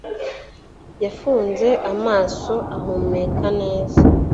yafunze amaso ahumeka neza.